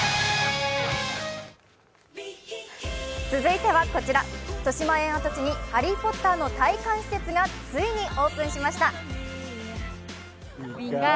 続いてはこちら、としまえん跡地に「ハリー・ポッター」の体感施設がついにオープンしました。